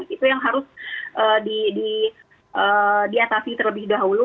itu yang harus diatasi terlebih dahulu